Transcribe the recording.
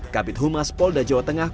kabit humas polda jawa tengah